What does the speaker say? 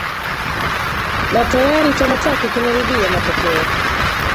na tayari chama chake kimeridhia matokeo